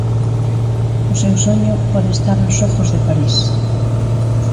O seu soño, poder estar nos xogos de París.